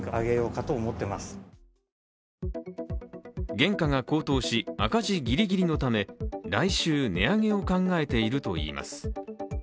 原価が高騰し、赤字ギリギリのため来週、値上げを考えているといいます。